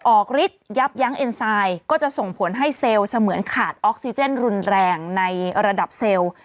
ฤทธิ์ยับยั้งเอ็นไซด์ก็จะส่งผลให้เซลล์เสมือนขาดออกซิเจนรุนแรงในระดับเซลล์